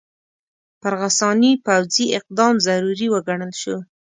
پر غساني پوځي اقدام ضروري وګڼل شو.